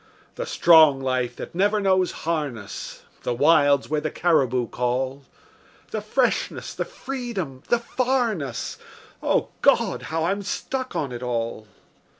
The strong life that never knows harness; The wilds where the caribou call; The freshness, the freedom, the farness O God! how I'm stuck on it all.